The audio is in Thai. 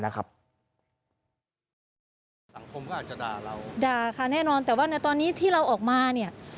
ค่ะแน่นอนแต่ว่าในตอนนี้ที่เราออกมาเนี่ย